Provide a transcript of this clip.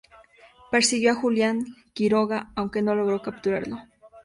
Persiguió a Julián Quiroga, aunque no logró capturarlo.